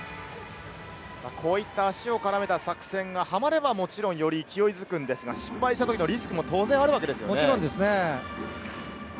こういった足を絡めた作戦がはまればもちろんより勢いづくんですが、失敗したときのリスクも当然あるわけですよね。